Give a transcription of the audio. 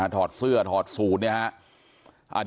ทอดเสื้อทอดสูตร